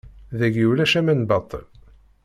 Dayi ulac aman baṭel.